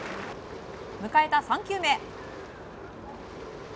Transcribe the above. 迎えた３球目。